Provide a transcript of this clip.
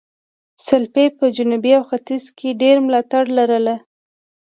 سلپيپ په جنوب او ختیځ کې ډېر ملاتړي لرل.